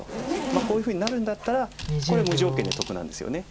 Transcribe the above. こういうふうになるんだったらこれ無条件で得なんですよね。